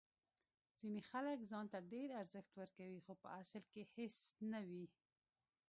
ځینې خلک ځان ته ډیر ارزښت ورکوي خو په اصل کې هیڅ نه وي.